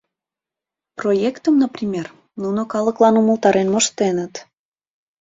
Проектым, например, нуно калыклан умылтарен моштеныт.